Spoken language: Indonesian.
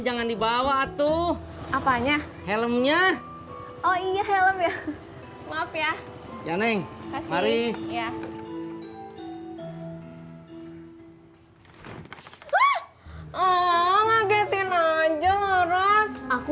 jangan kegaringan ya mak